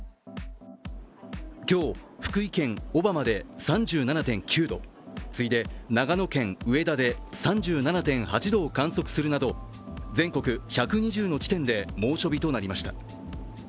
今日、福井県小浜で３７．９度次いで、長野県上田で３７．８度を観測するなど全国１２０の地点で猛暑日となりました。